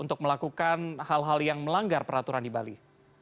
untuk melakukan hal hal yang melanggar peraturan di bali